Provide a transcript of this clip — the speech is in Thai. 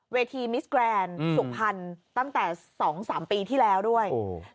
เวทีมิสแกรนด์อืมสุขพันธ์ตั้งแต่สองสามปีที่แล้วด้วยโอ้โห